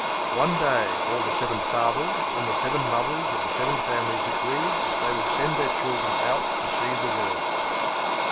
One day all the seven fathers and the seven mothers of the seven families agreed that they would send their children out to see the world.